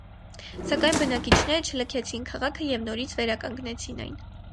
Սակայն բնակիչները չլքեցին քաղաքը և նորից վերականգնեցին այն։